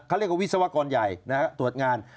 เขาเรียกว่าวิศวกรใหญ่ตรวจงาน